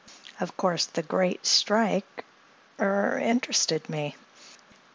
Of course the great strike—er—interested me.